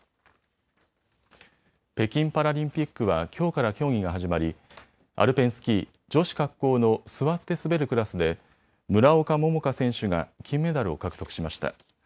北京パラリンピックはきょうから競技が始まりアルペンスキー、女子滑降の座って滑るクラスで村岡桃佳選手が金メダルを獲得しました。